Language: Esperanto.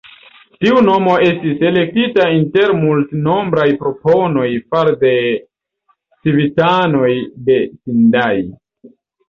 Tiu nomo estis elektita inter multenombraj proponoj far'de civitanoj de Sendai.